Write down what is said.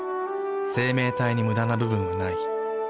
生命体にムダな部分はない。